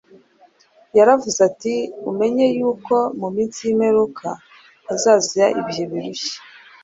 Yaravuze ati: “Umenye yuko mu minsi y’imperuka hazaza ibihe birushya,